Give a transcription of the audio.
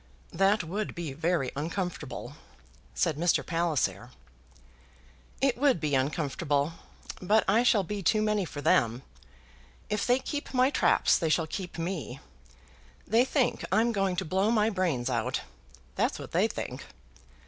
"That would be very uncomfortable," said Mr. Palliser. "It would be uncomfortable, but I shall be too many for them. If they keep my traps they shall keep me. They think I'm going to blow my brains out. That's what they think.